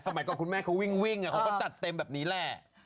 ก่อนคุณแม่เขาวิ่งเขาก็จัดเต็มแบบนี้แหละ